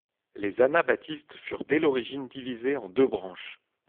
Les anabaptistes furent dès l’origine divisés en deux branches.